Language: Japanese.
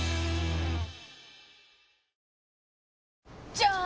じゃーん！